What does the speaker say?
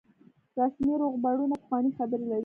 رسمي روغبړونه پخوانۍ خبرې وي.